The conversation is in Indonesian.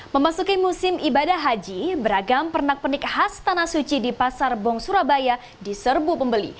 memasuki musim ibadah haji beragam pernak pernik khas tanah suci di pasar bong surabaya diserbu pembeli